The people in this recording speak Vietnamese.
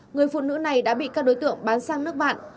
người phụ nữ này đã bị các đối tượng bán sang nước bạn